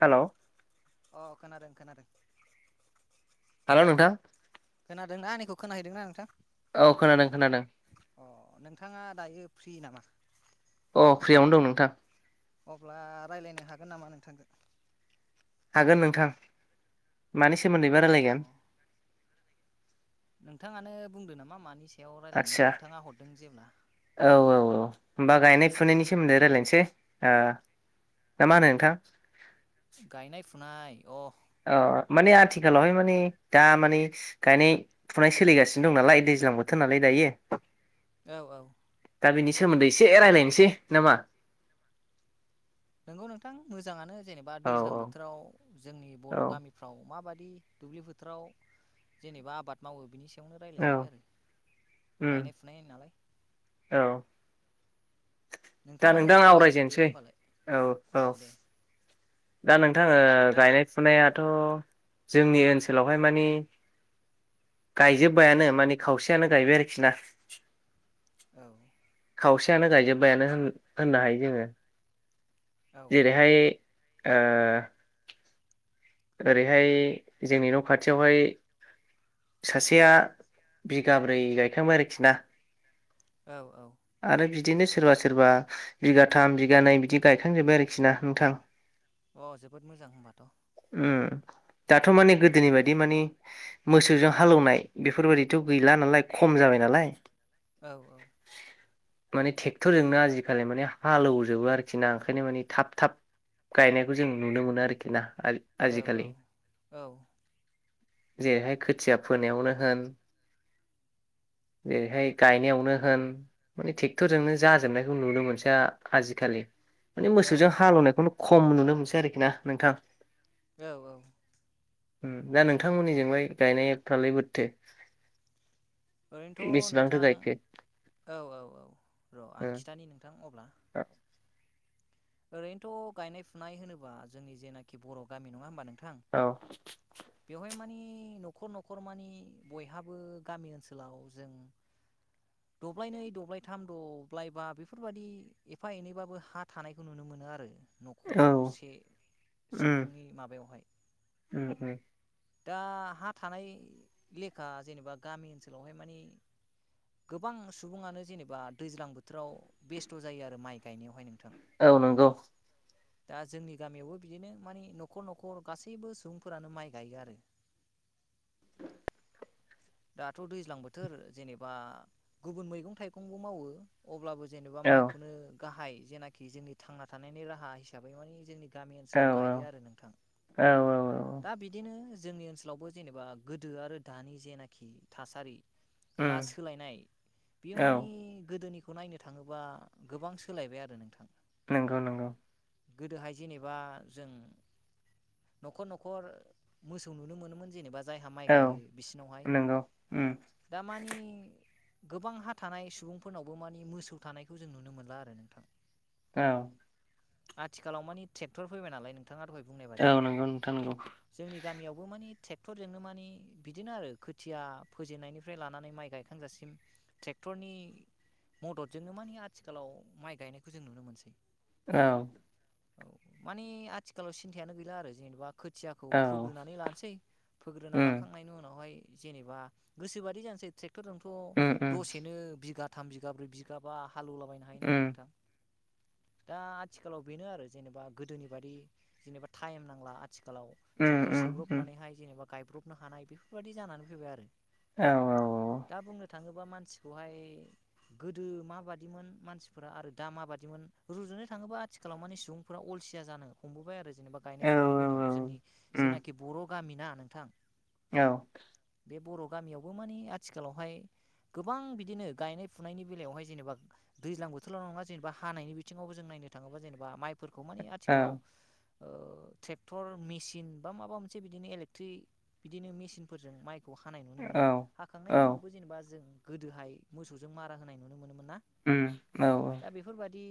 Hello औ खोनादों खोनादों हेलौ नोंथां खोनादों ना आनिखौ खोनाहैदों ना नोंथां औ खोनादों खोनादों अ नोंथाङा दायो फ्रि नामा अ फ्रियावनो दं नोंथां अब्ला रायलायनो हागोन नामा नोंथांजों हागोन नोंथां मानि सोमोन्दैबा अ रायलायगोन नोंथाङानो बुंदो नामा मानि सो आतसा औ औ औ होमबा गायनाय फुनायनि सोमोन्दै रायलायनोसै आ ना मा होनो नोंथां गायनाय फुनाय अ अ माने आथिखालावहाय माने दा माने गायनाय फुनाय सोलिगासिनो दं नालाय दै ज्लां बोथोर नालाय दायो औ औ दा बिनि सोमोन्दै एसे रायलायनोसै नामा नोंगौ नोंथां मोजाङानो जेनेबा औ दैज्लां बोथोराव जोंनि औ बर' गामिफ्राव माबाद दि दुब्लि फोथाराव जेनेबा आबाद मावो बिनि सा यावनो औ रायलायजायो आरो उम गायनाय फुनाय नालाय औ दा नोंथाङानो नोंथां जागायग्रोदो आवरायजेननोसै होमबालाय औ औ दा नोंथां ओ गायनाय फुनायाथ जोंनि ओनसोलावहाय माने गायजोब्बायानो माने खावसेयानो गायबाय आरोखि ना। औ खावसेयानो गायजोबबायानो होन होननो हायो जोङो औ जेरैहाय ओ ओरैहाय जोंनि न' खाथियावहाय सासेया बिगाब्रै गायखांबाय आरोखि ना। औ औ आरो बिदिनो सोरबा सोरबा बिगाथाम बिगानै बिदि गायखांजोब्बाय आरोखि ना नोंथां। अ जोबोद मोजां होनबाथ। उम दाथ माने गोदोनि बायदि माने मोसौजों हालौवनाय बेफोरबायादिथ गैला नालाय खम जाबाय नालाय। औ औ माने थेगथरजोंनो आजिखालि माने हालौवजोबो आरोखि ना ओंखायनो माने थाब थाब गायनायखो जों नुनो मोनो आरोखि ना औ आजि-आजिकालि। औ जेरैहाय खोथिया फोनायावनो होन जेरैहाय गायनायावनो होन माने थेडक्टरजोंनो जाजोबनायखौ नुनो मोनसै आ-आजिखालि। माने मोसौजों औ हालेवनायखौनो खम नुनो मोनसै आरोखि ना नोंथां। औ औ ओम दा नोंथांमोननिजोंलाय गायनायफ्रालाय बोरैथो? ओरैनोथ' बेसेबांथो नोंथां गायखो। औ औ औ र' आं खिथानि नोंथां अब्ला। ओरैनोथ गायनाय फुनाय होनोबा जोंनि जेनाखि बर' गामि नङा होमबा नों थां औ बेवहाय मानि नि न'खर न'खर मानि बयहाबो गामि ओनसोलाव जों दब्लाय नै दब्लायथाम द'ब्लाय बा बेफोरबादि एफा एनैबाबो हा थानाय खौ नुनो मोनो आरो। औ न'खरसे उम सुबुंनि माबायावहाय उम उम दा हा थानाय लेखा जेनेबा गामि ओनसोलावहाय मानि गोबां सुबुङानो जेनेबा दैज्लां बोथोराव बेस्थ' जायो आरो माइ गायनायावहाय नोंथां। औ नोंगौ। दा जोंनि गामियावबो बिदिनो मानि न'खर न'खर गासैबो सुबुंफोरानो माइ गायो आरो। दाथ दैज्लां बोथोर जेनेबा गुबुन मैगं थाइगंबो मावो अब्लाबो जेनेबा औ माइखौनो गाहाय जेनाखि जोंनि थांना थानायनि राहा हिसाबै मानि जोंनि गामि औ ओनसोलाव गायो आरो नोंथां औ औ दा बिदिनो जोंनि ओनसोलावबो जेनेबा गोदो आरो दानि जेनाखि थासारि बा उम सोलायनाय बेयो औ मानि गोदोनि बेखौ नायनो थाङोबा गोबां सोलायबाय आरो नोंथां। नोंगौ नंगौ। गोदोहाय जेनेबा जों न'खर न'खर मोसौ नुनो मोनोमोन जेनेबा जायहा माइ गायो बिसिनावहाय हेल ओम। दा मानि गोबां हा थानाय सुबुंफोरनावबो मानि मोसौ थानायखौ जों नुनो मोनला आरो नोंथां। औ आथिखालाव मानि ट्रेक्टर फैबाय नालाय नों थाङा दहाय बुंनाय औ बादि नंगौ नोंथां नंगौ जोंनि गामियावबो मानि टेक्टरजोंनो मानि बिदिनो आरो खोथि खोथिया फोजेननायनिफ्राय लानानै माइ गायखांजासिम ट्रेक्टरनि मददजोंनो मानि आथिखालाव माइ गायनायखौ जों नुनो मोनसै। औ। मानि आथिखालाव सिन्थायानो गैला आरो जेनेबा। खोथियाखौ औ फोग्रोनानै लानोसै फोग्रोना उम लाखांनायनि उनावहाय। जेनेबा गोसोबादि जानोसै ट्रेक्टरजोंथ' उम उम दसेनो बिघा। थाम बिगा ब्रै बिगाब बा हालेवलाबायनो हायो नालाय उम नोंथां। दा आथिखालाव बेनो आरो जेनेबा गोदोनि बादि जेनेबा टाइम नांला। आथिखालाव उम ट्रेक्टर उम उम सोब्रबनानैहाय जेनेबा गायब्रबनो हानाय बेफोरबायदि जानानै फैबाय आरो औ औ औ दा बुंनो थाङोबा मानसिखौहाय गोदो माबादि मोन मानसिफोरा आरो दा माबादिमोन रुजु नो थाङोबा आथिखालाव माने सुबुंफोरा अलसिया जानो हमबोबाय आरो जेनेबा औ गायनाय फुनायनि बेलायाव औ जोंनि उम जेनाखि बर गामिना नोंथां औ बे बर गामियावबो माने आथिखालावहाय गोबां बिदिनो गायनाय फुनायनि बेलायावहाय जेनेबा दैज्लां बोथोराव नङा जेनेबा हानायनि बिथिङावबो जों नायनो थाङोबा जेनेबा माइफोरखौ माने औ आथिखालाव ओ ट्रेक्टर मेसिन बा माबा मोनसे बिदिनो इलेक्ट्रिक बिदिनो मेसिनफोरजों माइ हानाय नुनो मोनो हाखांनायनि औ उनावबो जेनेबा जों गोदोहाय मोसौजों मारा होनाय नुनो मोनो मोना उम औ दा बेफोरबायदि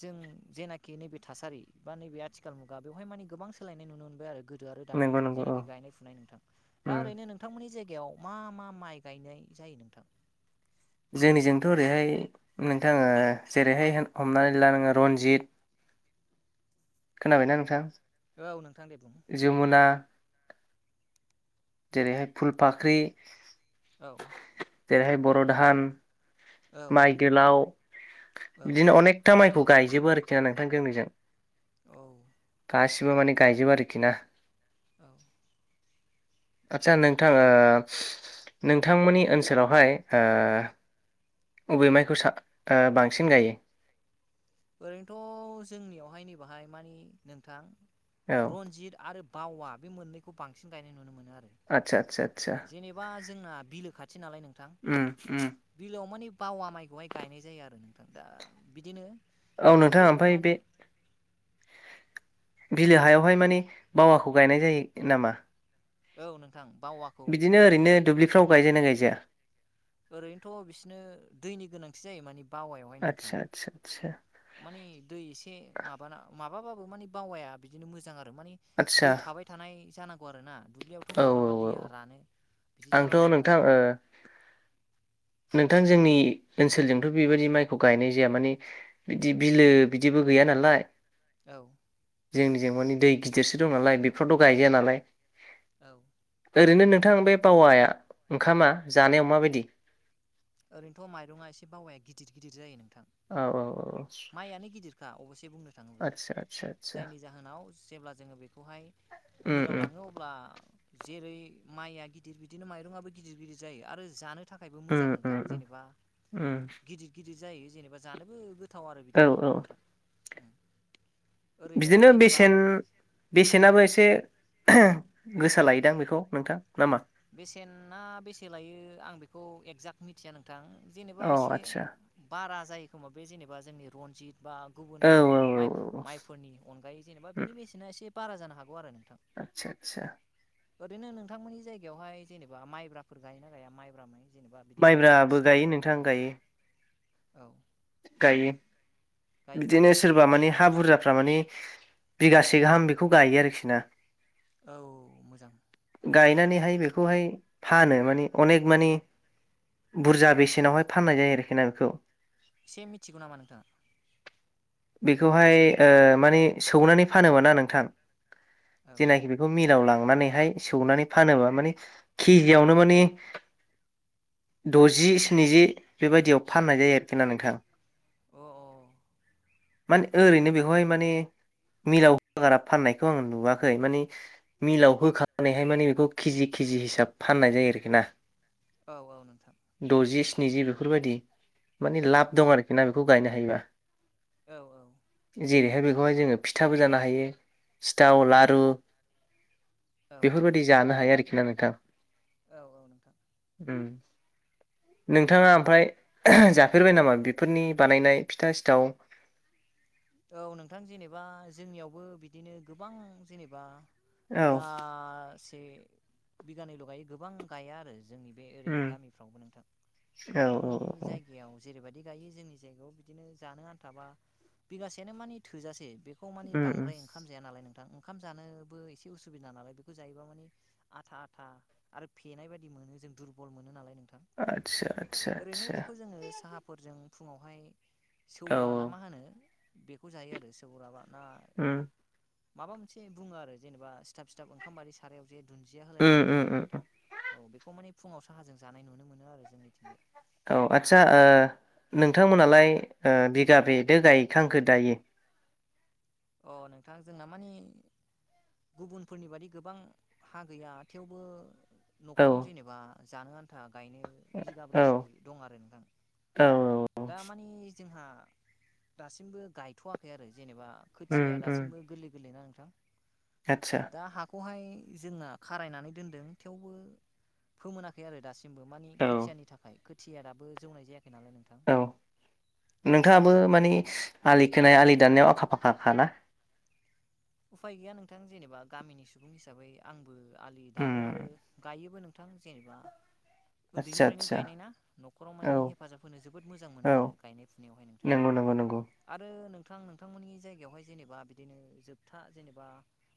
जों जेनाखि नैबे थासारि बा नैबे आथिखाल मुगा बेवहाय माने गोबां सोलायनाय नुनो मोनबाय आरो गो दो आरो दानि नंगौ नंगौ औ जेनाखि गायनाय फुनाय नोंथां दा उम ओरैनो नोंथां नि जायगायाव मा मा माइ गायनाय जायो नोंथां जोंनिजोंथ ओरैहाय नोंथाङो जेरैहाय हमनानै ला नोङो रनजित खोनाबायना नोंथां औ नोंथां दे बुं जमुना जेरैहाय फुल फाख्रि औ जेरैहाय बरधान औ माइ गोलाव औ औ बिदिनो अनेखथा माइखौ गायजोबो आरोखि ना नोंथां जोंनिजों औ गासिबो माने गायजोबो आरोखि ना औ [inaudible] आतसा नोंथां नोंथांमोननि ओनसोलावहाय ओ अबे माइखौ ओ बांसिन गायो ओरैनोथ जोंनियावहाय नैबाहाय माने नोंथां औ रनजित आरो बावा बे मोननैखौ बांसिन गायनाय नुनो मोनो आरो आदसा आदसा आदसा जेनेबा जोंना बिलो खाथि खाथि नालाय नोंथां उम उम बिलोआव माने बावा माइखौहाय गायनाय जायो आरो नोंथां दा बिदिनो औ नोंथाङा दुब्लियावबो ओमफ्राय माने बे बिलो हायावहाय माने बावाखौ गायनाय जायो नामा औ नों बिदिनो ओरैनो दुब्लिफ्राव गायजायो ना गायजाया ओरैनोथ‌‌ बिसोरनो दैनि गोनांथि जायो माने आतसा आतसा आतसा मानि दै एसे माबाना माबाबाबो माने बावाया बिदिनो मोजां आरो माने आदसा दै थाबाय थानाय जानांगौ आरो ना दुब्लियावथ औ माब्लाबा दैया औ रानो बिदि आंथ जालाबायो नोंथां नालाय ओ नोंथां जोंनि ओनसोलजोंथ बेबायदि माइखौ गायनाय जाया माने बिदि बिलो बिदि जेबो गैया नालाय औ जोंनिजों मानि दै गिदिरसो दं नालाय बेफोरावथ गायजाया नालाय औ ओरैनो नोंथां बे बावाया ओंखामा जानायाव माबायदि ओरैनोथ माइरङा एसे बावाया गिदिर गिदिर जायो नोंथां औ औ औ ए बुंनो थाङोब्ला आदसा आदसा आदसा जायनि जाहोनाव जेब्ला जोङो बेखौहाय उम मिलाव उम लाङो अब्ला जेरै माइया गिदिर बिदिनो माइरं आबो गिदिर गिदिर जायो आरो जानो थाखायबो मोजां उम थां उम उम जेनेबा उम गिदिर गिदिर जायो जेनेबा जानोबो गोथाव आरो औ बिदिनो औ नोंथां ओरैनो बिदिनो जेनेबा बेसेन बेसेनाबो एसे गोसा लायदां बेखौ नोंथां नामा? बेसेना बेसे लायो आं बेखौ एगजाक्ट मिथिया नों- थां जेनेबा अ एसे आदसा बारा जायो खोमा बे जेनेबा जोंनि रनजित बा औ गुबुन औ माइ औ माइफोरनि अनगायै जेनेबा उम बिनि बेसेना एसे बारा जानो हागौ आरो नों- आदसा आदसा ओरैनो नोंथांमोननि जायगायावहाय जेनेबा माइब्राफोर गायोना गाया माइब्रा माइ? जेनेबा बिदिनो माइब्राबो सिथाव गायो नोंथां औ गायो औ गायो गायोना बिदिनो सोरबा मानि हा बुरजा माने बिघासे गाहाम बेखौ गायो आरोखि ना औ मोजां गायनानैहाय बेखौहाय फानो मानि अनेक मानि बुरजा बेसेनावहाय फाननाय जायो आरोखि ना बेखौ एसे मिथिगौ नामा नोंथाङा बेखौहाय ओ माने सौनानै फानोमोनना नोंथां औ जेनाखि बेखौ मिलााव लां- नानैहाय सौनानै फानोबा माने केजियावनो माने द'जि स्निजि बेबायदियाव फाननाय जायो आरोखि ना नोंथां अ औ माने ओरैनो बेखौहाय माने मिलाव होआगारा फाननायखौ आं नुवाखै माने मिलाव होखानानैहाय माने बेखौ केजि खि- केजि हिसाब फाननाय जायो आरोखि ना औ औ नोंथां नैजि बेफोरबायदि माने औ लाब दं आरोखि ना बेखौ गायनो हायोबा औ औ जेरैहाय बेखौहाय जोङो फिथाबो जानो हायो सिथाव लारु बेफोरबायदि जानो हायो आरोखि ना नोंथां औ औ नोंथां उम नोंथाङा ओमफ्राय जा- फेरबाय नामा बेफोरनि बानायनाय फिथा सिथाव औ नोंथां जेनेबा जोंनियावबो बिदिनो गोबां जेनेबा औ बिगासे बिगानैल' गायो गोबां गाया आरो जोंनि बे ओरै उम गामिफ्रावबो नोंथां औ नोंथांमोननि औ औ जायगायाव जेरैबायदि बिदि गायो जोंनि जायगायाव बिदिनो जानो आनथाबा बिगासेयानो मानि थोजासे बेखौ मानि उम उम बांद्राय ओखाम जाया नालाय नोंथां ओंखाम जानोबो एसे उसुबिदा नालाय बेखौ जायोबा मानि आथा आथा आरो फेनाय बादि मोनो जों दुरबल मोन नालाय नों आतसा आतसा आतसा जोङो साहाफोरजों फुङावहाय सौरा ना मा होनो बेखौ जायो आरो सौराबा ना उम माबा मोनसे बुङो आरो जेनेबा सिथाब सिथाब ओंखामबादि सारायाव जे दुन्दिया होलायनानै उम जायोना उम उम नोंथां औ बेखौ माने फुङाव साहाजों जानाय नुनो मोनो आरो जोंनिथिंजाय औ आतसा ओ नोंथांमोनहालाय ओ बिगा बेदो गायखांखो दायो अ नोंथां जोंना मानि गुबुनफोरनि बादि गोबां हा गैया थेवबो औ न'खराव जेनेबा जानो आन्था गायनो बिगाब्रैसो दं आरो नोंथां औ औ दा मानि जोंहा दासिमबो गायथ'वाखै आरो जेनेबा उम खोथिया उम दासिमबो गोरलै गोरलैना नोंथां आदसा दा हाखौहाय जोंना खारायनानै दोनदों थेवबो फोमोनाखै आरो दासिम बो मानि औ खोथियानि थाखाय खोथिया दाबो जौनाय जायाखै [inaudible] औ औ नोंथाङाबो मानि आलि खोनाया आलि दाननायाव आखा फाखाखाना? उफाय गैया नोंथां जेनेबा गामिनि सुबुं हिसाबै आंबो आलि उम दानो आरो गायोबो नों जेनेबा आदसा उन्दैनिफ्रायनो आदसा गायनाय ना न'खराव औ माने हेफाजाब होनो जोबोद मोजां औ मोनो आरो गायनाय फुनायावहाय नोंथां नंगौ नंगौ नंगौ आरो नोंथां नोंथांमोननि जायगायावहाय जेनेबा बिदिनो जोब था जेनेबा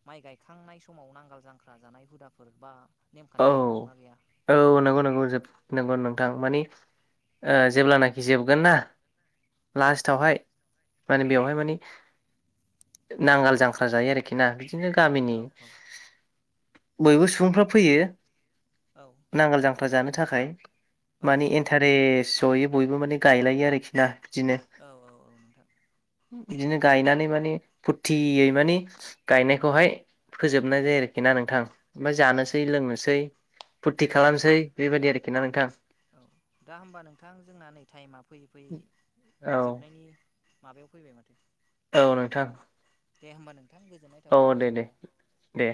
माइ गायखांनाय समाव नांगाल जांख्रा जानाय हुदाफोर बा औ नेमखान्थिफोर दंना गैया औ नंगौ नंगौ जोब था माने जेब्लानाखि जोबगोन ना लास्टआवहाय माने बेवहाय माने नांगोल जांख्रा जायो आरोखि ना बिदिनो गामिनि औ बयबो सुबुंफ्रा फैयो। औ नांगोल जांख्रा जानो थाखाय औ मानि इन्टारेस जयै बयबो माने गायलायो आरोखि ना बिदिनो औ औ नोंथां बिदिनो गायनानै मानि फुरथियै माने गायनायखौहाय फोजोबनाय जायो आरोखि ना नोंथां ओमफ्राय औ जानोसै लोंनोसै फुरथि औ खालामसै बेबायदि आरोखि ना नोंथां औ दा होमबा नोंथां जोंना नै टाइमा फैयै फैयै औ जोबनायनि [inaudible] माबायाव फैबाय माथो [inaudible] औ नोंथां दे होमबा [inaudible] औ थाबाय दे रोजा दे रोजा दे